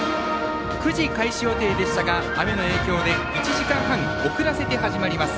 ９時開始予定でしたが雨の影響で１時間半遅らせて始まります。